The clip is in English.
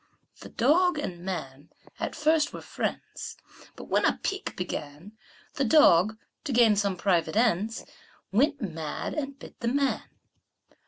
The dog and man at first were friends, But when a pique began, The dog, to gain some private ends, Went mad, and bit the man.